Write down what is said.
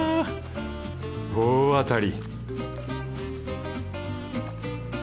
大当たり